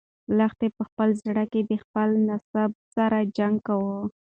لښتې په خپل زړه کې د خپل نصیب سره جنګ کاوه.